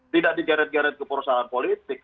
tidak digeret geret ke perusahaan politik